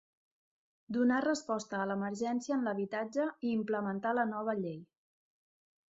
Donar resposta a l'emergència en l'habitatge i implementar la nova llei.